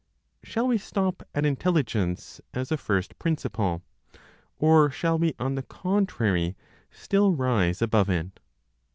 Shall we stop at Intelligence, as a first principle? Or shall we on the contrary still rise above it?